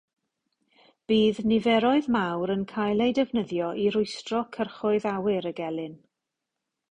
Bydd niferoedd mawr yn cael eu defnyddio i rwystro cyrchoedd awyr y gelyn.